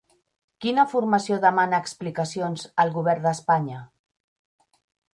Quina formació demana explicacions al govern d'Espanya?